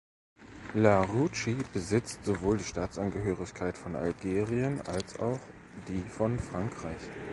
Larouci besitzt sowohl die Staatsangehörigkeit von Algerien als auch die von Frankreich.